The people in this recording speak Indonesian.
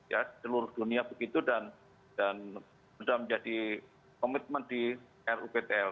ya seluruh dunia begitu dan sudah menjadi komitmen di ruptl